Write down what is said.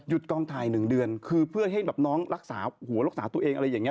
กองถ่าย๑เดือนคือเพื่อให้แบบน้องรักษาหัวรักษาตัวเองอะไรอย่างนี้